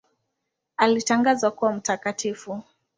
Alitangazwa kuwa mtakatifu.